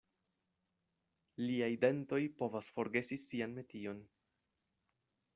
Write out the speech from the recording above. Liaj dentoj povas forgesi sian metion.